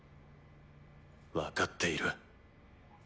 分かっている。